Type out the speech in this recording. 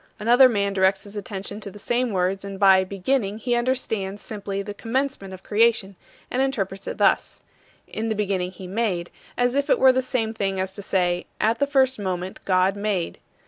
Another man directs his attention to the same words, and by "beginning" he understands simply the commencement of creation, and interprets it thus: "In the beginning he made," as if it were the same thing as to say, "At the first moment, God made